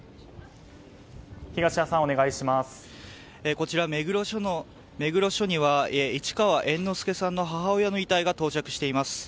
こちら、目黒署には市川猿之助さんの母親の遺体が到着しています。